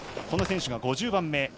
この選手が５０番目。